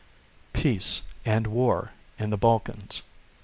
"PEACE" AND "WAR" IN THE BALKANS.